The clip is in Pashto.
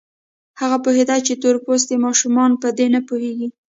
هغه پوهېده چې تور پوستي ماشومان په دې نه پوهېږي.